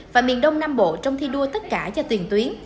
và miền đông nam bộ trong thi đua tất cả cho tuyển tuyến